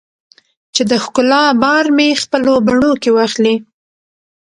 چې د ښکلا بار مې خپلو بڼو کې واخلې